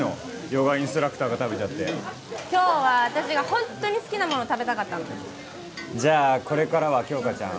ヨガインストラクターが食べちゃって今日は私がホントに好きなもの食べたかったのじゃあこれからは杏花ちゃん